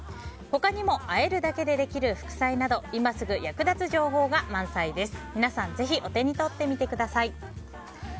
他にもあえるだけでできる副菜など今すぐ役立つ情報が満載です。